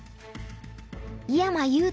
井山裕太